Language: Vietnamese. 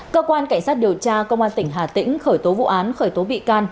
cơ quan cảnh sát điều tra công an tỉnh hà tĩnh khởi tố vụ án khởi tố bị can